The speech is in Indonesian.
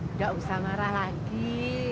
nggak usah marah lagi